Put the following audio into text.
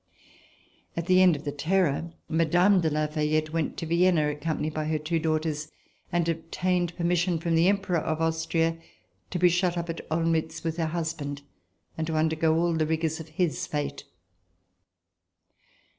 At the end of the Terror, Mme. de La Fayette went to Vienna, accompanied by her two daughters, and ob tained permission from the Emperor of Austria to be shut up at Olmutz with her husband and to undergo RECOLLECTIONS OF THE REVOLUTION all the rigours of his fate.